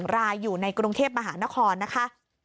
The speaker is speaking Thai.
๑รายอยู่ในกรุงเทพมหานครนะคะ